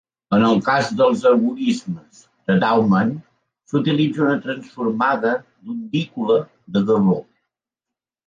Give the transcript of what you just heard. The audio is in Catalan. En el cas dels algorismes de Daugman, s'utilitza una transformada d'ondícula de Gabor.